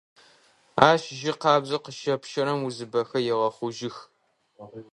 Ащ жьы къабзэу къыщэпщэрэм узыбэхэр егъэхъужьых.